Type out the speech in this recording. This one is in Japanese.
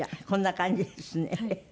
こんな感じですね。